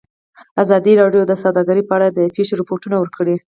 ازادي راډیو د سوداګري په اړه د پېښو رپوټونه ورکړي.